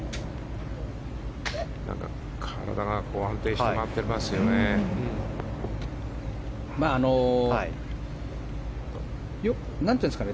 体が安定して回っていますよね。